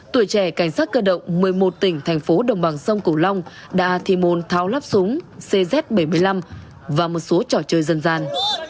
tuổi trẻ cảnh sát cơ động một mươi một tỉnh thành phố đồng bằng sông cửu long đã thi môn tháo lắp súng cz bảy mươi năm và một số trò chơi dân gian